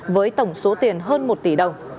với tổng số tiền hơn một tỷ đồng